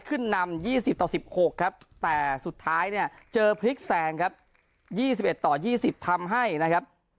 ขึ้นนำ๒๐ต่อ๑๖ครับแต่สุดท้ายเนี่ยเจอพลิกแซงครับ๒๑ต่อ๒๐ทำให้นะครับ